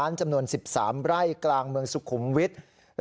ไร่กลางเมืองสุขุมวิทย์